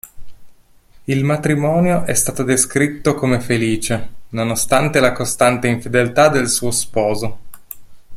Il matrimonio è stato descritto come felice, nonostante la costante infedeltà del suo sposo.